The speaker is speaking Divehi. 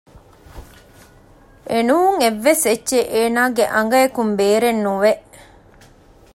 އެނޫން އެއްވެސް އެއްޗެއް އޭނާގެ އަނގައަކުން ބޭރެއް ނުވެ